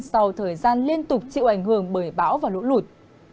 sau thời gian liên tục chịu ảnh hưởng bởi bão và lũ lụt